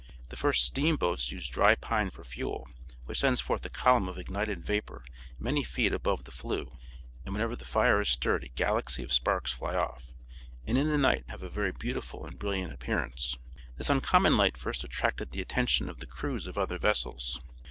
The first steam boats used dry pine for fuel, which sends forth a column of ignited vapor many feet above the flue and whenever the fire is stirred a galaxy of sparks fly off, and in the night have a very beautiful and brilliant appearance. This uncommon light first attracted the attention of the crews of other vessels.